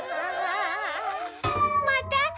また。